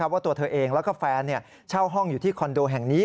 ว่าตัวเธอเองแล้วก็แฟนเช่าห้องอยู่ที่คอนโดแห่งนี้